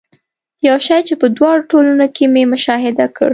یو شی چې په دواړو ټولنو کې مې مشاهده کړ.